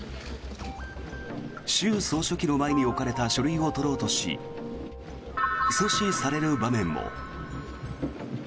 習総書記の前に置かれた書類を取ろうとし阻止される場面も。